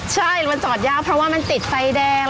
ใช่มันจอดยากเพราะว่ามันติดไฟแดง